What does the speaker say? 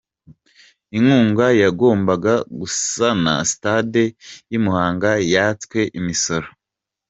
Inkunga yagombaga gusana Sitade y’i Muhanga yatswe imisoro